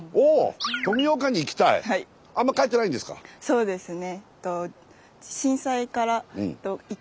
そうですね。